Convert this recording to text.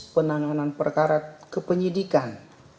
penanganan perkara kepenyidikan